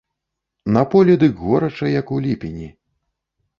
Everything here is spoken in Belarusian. На полі дык горача, як у ліпені.